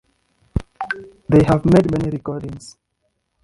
They have made many recordings.